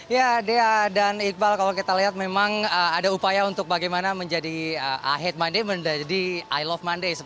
ya dea dan iqbal kalau kita lihat memang ada upaya untuk bagaimana menjadi i hate monday menjadi ey love monday